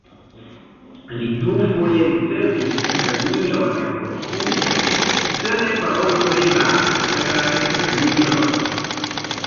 Li dufoje ricevis premion Kossuth, se ne paroli pri la ceteraj premioj.